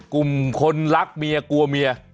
กลุ่มคนรักเมียกลัวเมีย